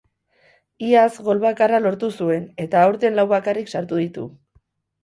Iaz gol bakarra lortu zuen eta aurten lau bakarrik sartu ditu.